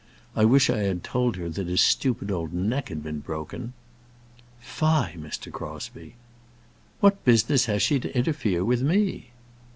I wish I had told her that his stupid old neck had been broken." "Fie, Mr. Crosbie!" "What business has she to interfere with me?"